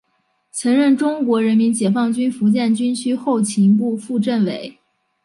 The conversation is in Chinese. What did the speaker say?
曾任中国人民解放军福建军区后勤部副政委。